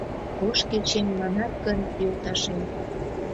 Ош кечем манат гын, йолташем.